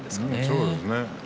そうですね。